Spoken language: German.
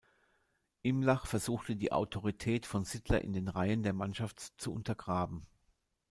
Imlach versuchte die Autorität von Sittler in den Reihen der Mannschaft zu untergraben.